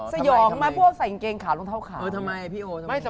สยองมาพวกใส่กางเกงขาวรองเท้าขาวเพราะว่าทำไมพี่โอ๊คทำไม